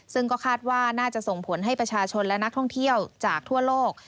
ซึ่งก็คาดว่าน่าจะส่งผลให้ประชาชนและนักท่องเที่ยวจากทั่วโลก